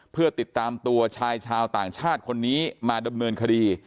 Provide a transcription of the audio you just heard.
เพื่อติดตามตัวชายชาวต่างชาติคนนี้มาดำเนินคดี